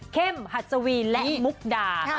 เข้มหัสวีและมุกดา